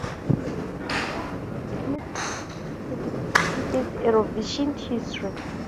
The Netherlands has missed only four contests in its Eurovision history.